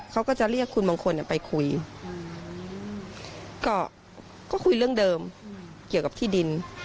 เขาก็จะเรียกคุณบางคนไปคุยก็คุยเรื่องเดิมเกี่ยวกับที่ดิน